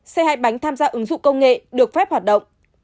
xe hài bánh tham gia ứng dụng công nghệ được phép hoạt động